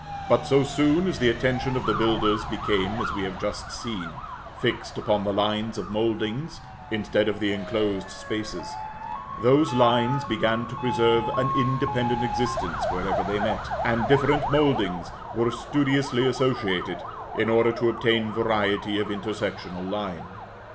But so soon as the attention of the builders became, as we have just seen, fixed upon the lines of mouldings instead of the enclosed spaces, those lines began to preserve an independent existence wherever they met; and different mouldings were studiously associated, in order to obtain variety of intersectional line.